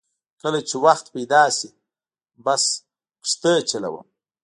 کله چې وخت پیدا شي بس کښتۍ چلوم.